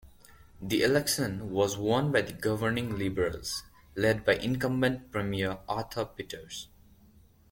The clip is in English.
The election was won by the governing Liberals, led by incumbent Premier Arthur Peters.